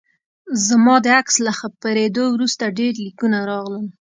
زما د عکس له خپریدو وروسته ډیر لیکونه راغلل